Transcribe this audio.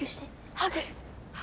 ハグ！